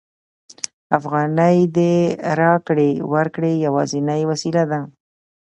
افغانۍ د راکړې ورکړې یوازینۍ وسیله ده